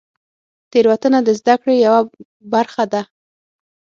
تېروتنه د زدهکړې یوه برخه ده.